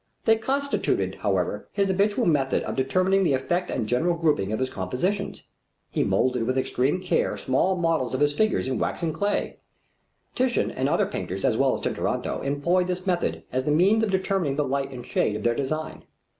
They constituted, however, his habitual method of determining the effect and general grouping of his compositions. He moulded with extreme care small models of his figures in wax and clay. Titian and other painters as well as Tintoretto employed this method as the means of determining the light and shade of their design.